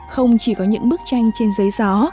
không chỉ có những bức tranh trên giấy gió